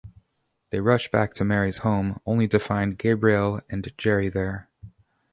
They rush back to Mary's home, only to find Gabriel and Jerry there.